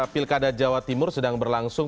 pilkada jawa timur sedang berlangsung